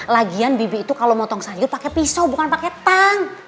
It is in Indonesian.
lagian bibi itu kalau motong sayur pakai pisau bukan pakai tank